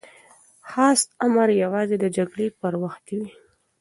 خاص امر یوازې د جګړې په وخت کي وي.